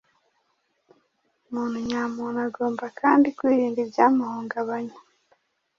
Umuntu nyamuntu agomba kandi kwirinda ibyamuhungabanya